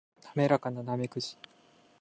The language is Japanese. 滑らかなナメクジ